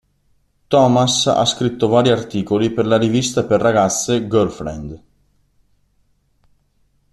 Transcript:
Thomas ha scritto vari articoli per la rivista per ragazze "Girlfriend".